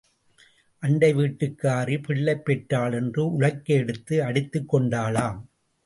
அண்டை வீட்டுக்காரி பிள்ளை பெற்றாளென்று உலக்கை எடுத்து அடித்துக் கொண்டாளாம்.